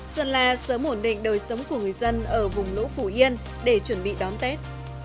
sơn la sớm ổn định đời sống của người dân ở vùng lũ phủ yên để chuẩn bị đón tết